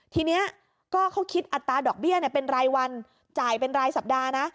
ทีนี้ก็เขาคิดอัตราดอกเบี้ยเป็นรายวันจ่ายเป็นรายสัปดาห์นะ